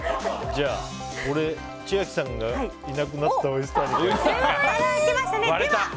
じゃあ、千秋さんがいなくなったオイスターソースに。